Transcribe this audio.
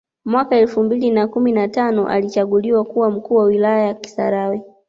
Mwaka elfu mbili na kumi na tano alichaguliwa kuwa mkuu wa wilaya ya kisarawe